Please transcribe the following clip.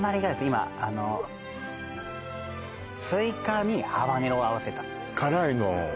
今あのスイカにハバネロを合わせた辛いの？